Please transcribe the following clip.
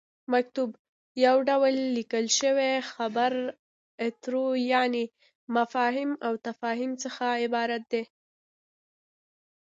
مکتوب: یو ډول ليکل شويو خبرو اترو یعنې فهام وتفهيم څخه عبارت دی